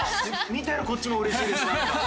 見てるこっちもうれしいですなんか。